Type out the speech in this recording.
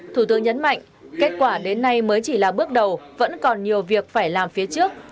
thủ tướng nhấn mạnh kết quả đến nay mới chỉ là bước đầu vẫn còn nhiều việc phải làm phía trước